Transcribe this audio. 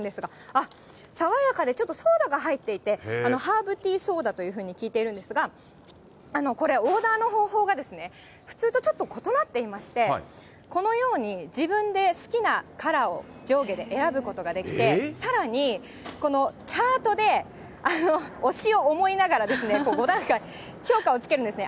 あっ、爽やかでちょっとソーダが入っていて、ハーブティーソーダというふうに聞いているんですが、これ、オーダーの方法が、普通とちょっと異なっていまして、このように、自分で好きなカラーを上下で選ぶことができて、さらに、このチャートで推しを思いながら５段階評価をつけるんですね。